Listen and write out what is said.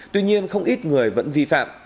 tuy nhiên không ít người vẫn vi phạm